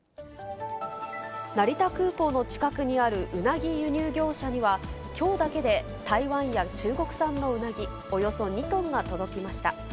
成田空港の近くにあるうなぎ輸入業者には、きょうだけで台湾や中国産のうなぎおよそ２トンが届きました。